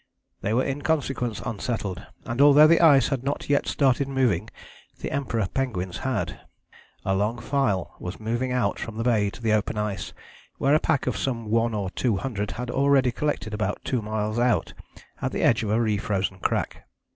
They were in consequence unsettled, and although the ice had not yet started moving the Emperor penguins had; a long file was moving out from the bay to the open ice, where a pack of some one or two hundred had already collected about two miles out at the edge of a refrozen crack.